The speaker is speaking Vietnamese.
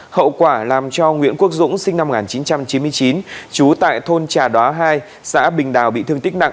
hậu quả làm cho nguyễn quốc dũng sinh năm một nghìn chín trăm chín mươi chín trú tại thôn trà đoá hai xã bình đào bị thương tích nặng